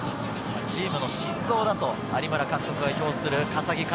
チームの心臓だと有村監督が評する笠置。